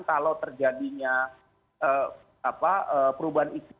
kalau terjadinya perubahan iklim